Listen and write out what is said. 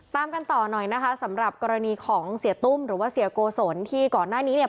ตามกันต่อหน่อยนะคะสำหรับกรณีของเสียตุ้มหรือว่าเสียโกศลที่ก่อนหน้านี้เนี่ย